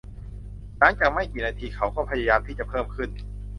หลังจากไม่กี่นาทีเขาก็พยายามที่จะเพิ่มขึ้น